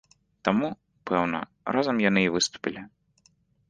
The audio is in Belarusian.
Таму, пэўна, разам яны і выступілі.